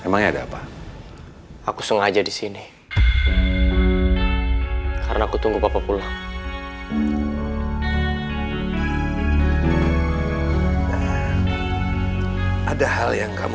bisanya sudah diangkat